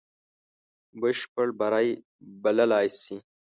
بشپړ بری بللای سي.